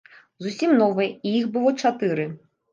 Зусім новыя, і іх было чатыры.